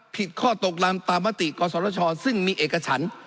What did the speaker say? ผิดข้อตกลำตามมติก่อสอทชซึ่งมีเอกฉัน